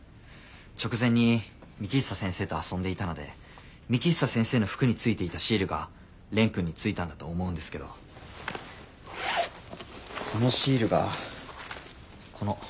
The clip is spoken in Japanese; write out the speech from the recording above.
直前に幹久先生と遊んでいたので幹久先生の服についていたシールが蓮くんについたんだと思うんですけどそのシールがこの名前シールの破片だったんです。